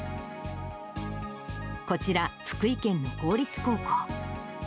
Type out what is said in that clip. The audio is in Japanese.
こちら、福井県の公立高校。